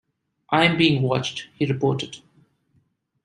"I'm being watched," he reported.